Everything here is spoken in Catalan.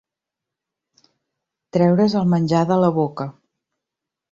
Treure's el menjar de la boca.